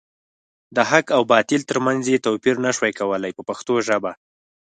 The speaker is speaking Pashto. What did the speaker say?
د حق او باطل تر منځ یې توپیر نشو کولای په پښتو ژبه.